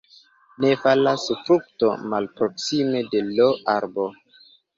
Ne falas frukto malproksime de l' arbo.